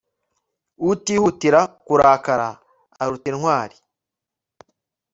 utihutira kurakara aruta intwari